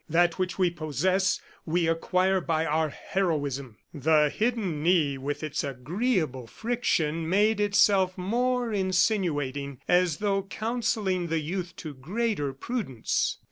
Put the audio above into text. That which we possess, we acquire by our heroism." The hidden knee with its agreeable friction made itself more insinuating, as though counselling the youth to greater prudence.